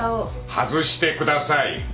外してください。